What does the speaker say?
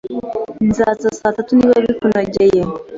Nzaza saa tatu niba bikunogeye